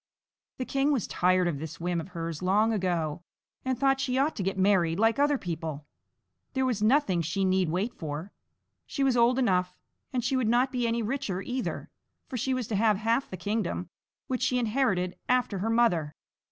The king was tired of this whim of hers long ago, and thought she ought to get married like other people; there was nothing she need wait for she was old enough and she would not be any richer either, for she was to have half the kingdom, which she inherited after her mother.